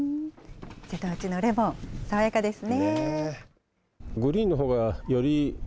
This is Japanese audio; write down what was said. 瀬戸内のレモン、爽やかですね。